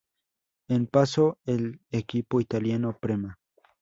En pasó al equipo italiano Prema.